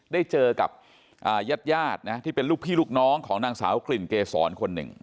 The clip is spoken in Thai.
ได้เจอกับญาติญาตินะที่เป็นลูกพี่ลูกน้องของนางสาวกลิ่นเกษรคนหนึ่ง